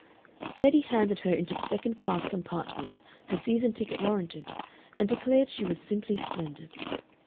Teddy handed her into the second class compartment her season ticket warranted, and declared she was "simply splendid."